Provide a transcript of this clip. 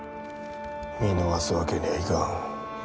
見逃すわけにはいかん。